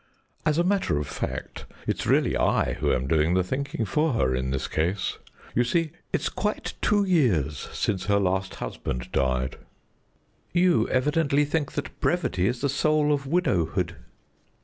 As a matter of fact, it's really I who am doing the thinking for her in this case. You see, it's quite two years since her last husband died." "You evidently think that brevity is the soul of widowhood."